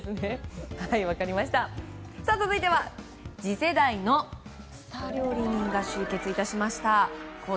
続いては次世代のスター料理人が集結致しました。